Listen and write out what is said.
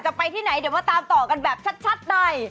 ไปที่ไหนเดี๋ยวมาตามต่อกันแบบชัดใน